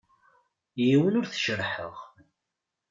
Yiwen ur t-jerrḥeɣ.